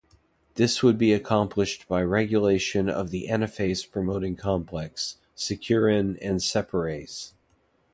This would be accomplished by regulation of the anaphase-promoting complex, securin, and separase.